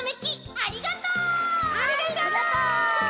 ありがとう！